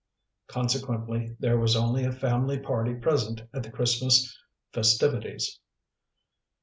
Consequently there was only a family party present at the Christmas festivities.